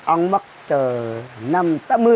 ông mất từ năm tám mươi